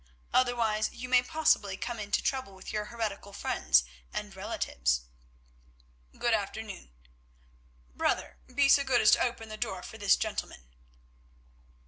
Otherwise you may possibly come into trouble with your heretical friends and relatives. Good afternoon. Brother, be so good as to open the door for this gentleman."